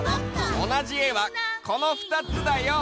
おなじえはこのふたつだよ！